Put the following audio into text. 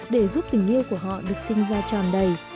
để giúp tình yêu của họ được sinh ra tròn đầy